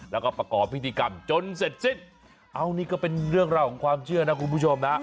แล้วก็ประกอบพิธีกรรมจนเสร็จสิ้นเอานี่ก็เป็นเรื่องราวของความเชื่อนะคุณผู้ชมนะ